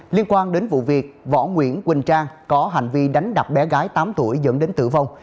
liên quan đến vụ việc võ nguyễn quỳnh trang có hành vi đánh đập bé gái tám tuổi dẫn đến tử vong